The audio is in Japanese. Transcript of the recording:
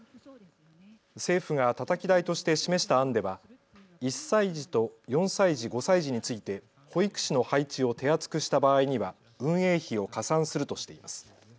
政府がたたき台として示した案では１歳児と４歳児・５歳児について保育士の配置を手厚くした場合には運営費を加算するとしています。